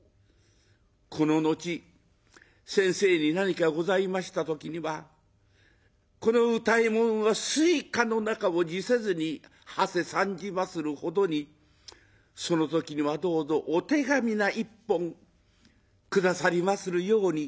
この後先生に何かございました時にはこの歌右衛門は水火の中を辞せずにはせ参じまするほどにその時にはどうぞお手紙な一本下さりまするように」。